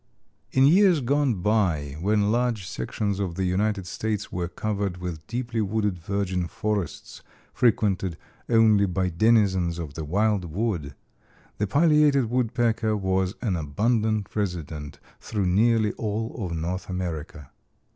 In years gone by, when large sections of the United States were covered with deeply wooded virgin forests frequented only by denizens of the wildwood, the Pileated Woodpecker was an abundant resident through nearly all of North America.